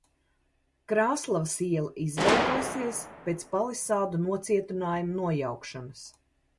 Krāslavas iela izveidojusies pēc palisādu nocietinājumu nojaukšanas.